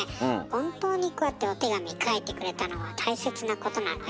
本当にこうやってお手紙書いてくれたのは大切なことなのよ。